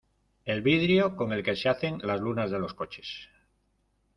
el vidrio con el que se hacen las lunas de los coches